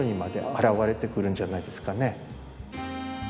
表れてくるんじゃないですかね。